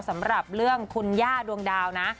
สำหรับเรื่องคุณย่าดวงดาวนะ